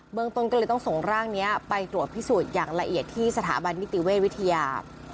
เมืองต้นก็เลยต้องส่งร่างนี้ไปตรวจพิสูจน์อย่างละเอียดที่สถาบันนิติเวชวิทยา